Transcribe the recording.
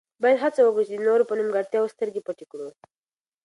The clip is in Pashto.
باید هڅه وکړو چې د نورو په نیمګړتیاوو سترګې پټې کړو.